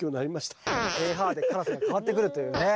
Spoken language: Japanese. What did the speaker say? ｐＨで辛さが変わってくるというね。